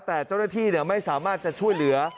แต่เจ้าหน้าที่ไม่สามารถจะช่วยเหลือ